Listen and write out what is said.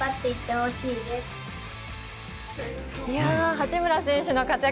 八村選手の活躍